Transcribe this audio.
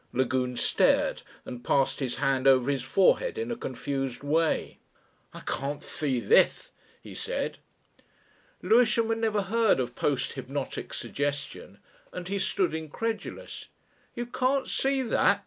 Lagune stared and passed his hand over his forehead in a confused way. "I can't see this," he said. Lewisham had never heard of post hypnotic suggestion and he stood incredulous. "You can't see that?"